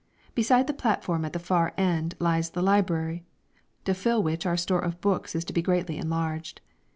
Beside the platform at the far end lies the library, to fill which our store of books is to be greatly enlarged.